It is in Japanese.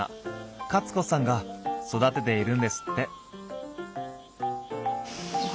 カツ子さんが育てているんですって。